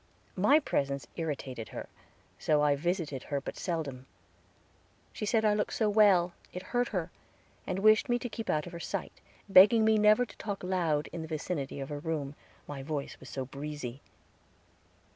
My presence irritated her, so I visited her but seldom. She said I looked so well, it hurt her, and wished me to keep out of her sight, begged me never to talk loud in the vicinity of her room, my voice was so breezy.